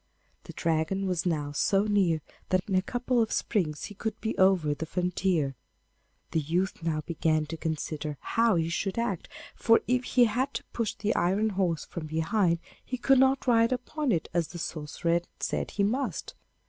The Dragon was now so near that in a couple of springs he would be over the frontier. The youth now began to consider how he should act, for if he had to push the iron horse from behind he could not ride upon it as the sorcerer had said he must.